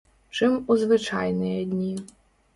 Чым у звычайныя дні.